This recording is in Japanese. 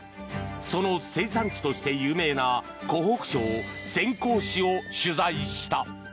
その生産地として有名な湖北省潜江市を取材した。